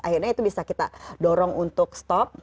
akhirnya itu bisa kita dorong untuk stop